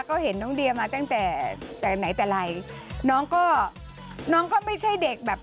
ก็เห็นน้องเดียมาตั้งแต่แต่ไหนแต่ไรน้องก็น้องก็ไม่ใช่เด็กแบบ